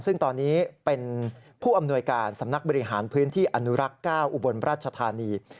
ซึ่งตอนนี้เป็นผู้อำนวยการสำนักบริหารพื้นที่อนุรักษ์๙อุบลราชธานี